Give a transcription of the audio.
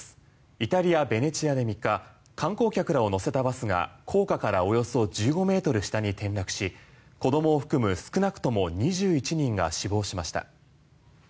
イタリア・ベネチアで３日観光客らを乗せたバスが高架からおよそ１５ｍ下に転落し子供を含む少なくとも２１人が死亡しました。